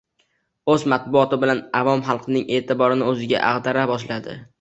o‘z matbuoti bilan avom xalqning e’tiborini o‘ziga ag‘dara boshladi.